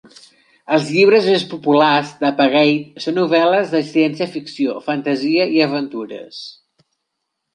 Els llibres més populars d'Apggate són novel·les de ciència ficció, fantasia i aventures.